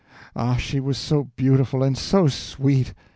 Ah, she was so beautiful, and oh, so sweet!